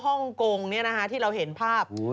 ฮ่องกงเนี่ยนะฮะที่เราเห็นภาพ